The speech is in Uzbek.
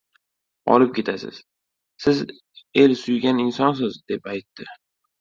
olib ketasiz, siz el suygan insonsiz”, deb aytdi.